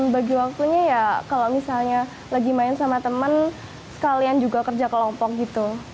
bagi waktunya ya kalau misalnya lagi main sama temen sekalian juga kerja kelompok gitu